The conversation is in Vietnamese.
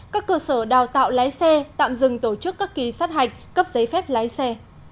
các cơ sở đào tạo lái xe tạm dừng tổ chức các kỳ sát hạch cấp giấy phép lái xe